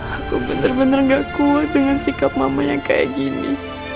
aku benar benar gak kuat dengan sikap mama yang kayak gini